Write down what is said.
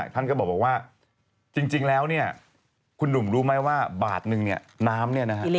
ท่านก็บอกว่าจริงแล้วคุณหนุ่มรู้ไหมว่าบาทหนึ่งน้ำ